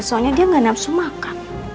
soalnya dia nggak nafsu makan